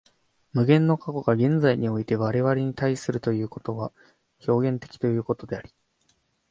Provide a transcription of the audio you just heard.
無限の過去が現在において我々に対するということは表現的ということであり、